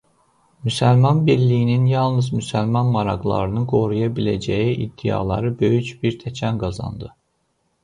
Müsəlman Birliyinin yalnız müsəlman maraqlarını qoruya biləcəyi iddiaları böyük bir təkan qazandı.